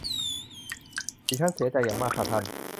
ดิฉันเสียใจอย่างมากค่ะท่าน